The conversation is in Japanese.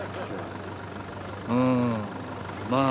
うんまあ